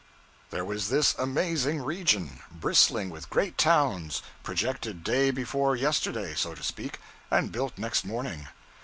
There was this amazing region, bristling with great towns, projected day before yesterday, so to speak, and built next morning.